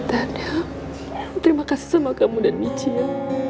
tante terima kasih sama kamu dan biji ya